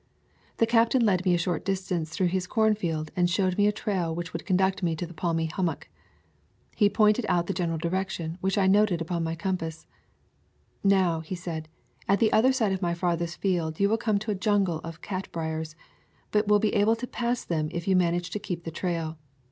The captain led me a short distance through his corn field and showed me a trail which would conduct me to the palmy hummock. He pointed out the general direction, which I noted upon my compass. "Now," said he, "at the other side of my farthest field you will come to a jungle of cat briers, but will be able to pass them if you manage to keep the trail.